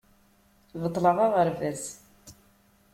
Beṭleɣ aɣerbaz.